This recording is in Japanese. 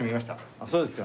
あっそうですか。